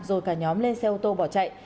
rồi cả nhóm lên xe ô tô bỏ chạy